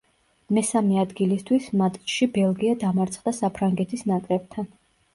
მესამე ადგილისთვის მატჩში ბელგია დამარცხდა საფრანგეთის ნაკრებთან.